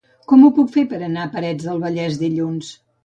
Com ho puc fer per anar a Parets del Vallès dilluns?